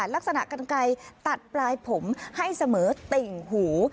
ลักษณะกันไกลตัดปลายผมให้เสมอติ่งหู